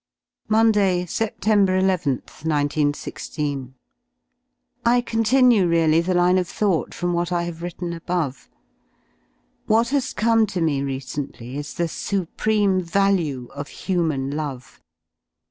60 Monday y'^zvT. nth, iQi6. I continue really the line of thought from what I have written above. What has come to me recently is the y supreme value of human love.